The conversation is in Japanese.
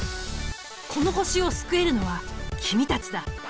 この星を救えるのは君たちだ。